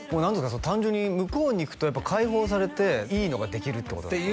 単純に向こうに行くとやっぱ解放されていいのができるってことなんですか？